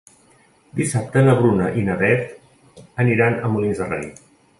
Dissabte na Bruna i na Beth aniran a Molins de Rei.